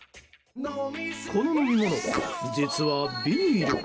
この飲み物、実はビール。